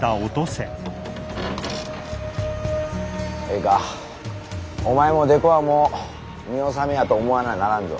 ええかお前も木偶はもう見納めやと思わなならんぞ。